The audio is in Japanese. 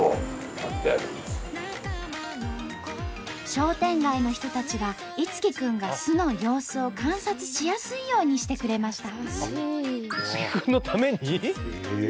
商店街の人たちが樹くんが巣の様子を観察しやすいようにしてくれました。